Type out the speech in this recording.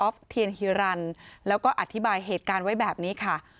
เทียนฮิรันแล้วก็อธิบายเหตุการณ์ไว้แบบนี้ค่ะ